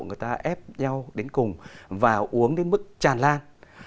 người ta ép nhau đến cùng và uống đến mức tràn lan